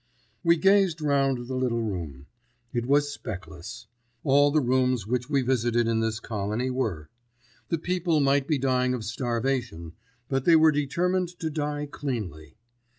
We gazed round the little room. It was speckless. All the rooms which we visited in this colony were. The people might be dying of starvation, but they were determined to die cleanly.